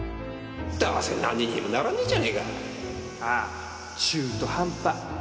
どうせ何にもならねえじゃねえかああ。中途半端